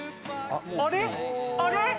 あれ？